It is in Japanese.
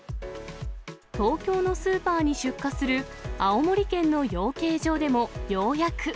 東京のスーパーに出荷する青森県の養鶏場でも、ようやく。